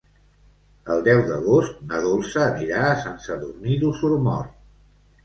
El deu d'agost na Dolça anirà a Sant Sadurní d'Osormort.